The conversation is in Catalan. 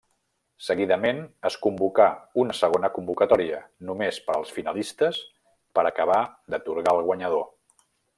Seguidament, es convocà una segona convocatòria, només per als finalistes, per acabar d'atorgar el guanyador.